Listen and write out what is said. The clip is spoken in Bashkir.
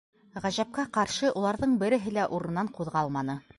Ғәжәпкә ҡаршы, уларҙың береһе лә урынынан ҡуҙғалманы.